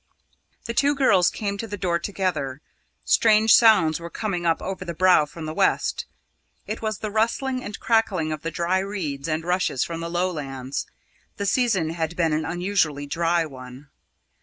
The two girls came to the door together. Strange sounds were coming up over the Brow from the west. It was the rustling and crackling of the dry reeds and rushes from the low lands. The season had been an unusually dry one.